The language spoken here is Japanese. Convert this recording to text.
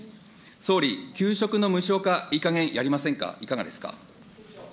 総理、給食の無償化、いいかげんやりませんか、いかがですか。